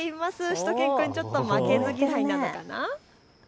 しゅと犬くん負けず嫌いなのかな。